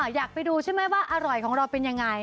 อยากไปดูใช่ไหมว่าอร่อยของเราเป็นยังไง